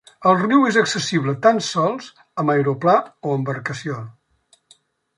El riu és accessible tan sols amb aeroplà o embarcació.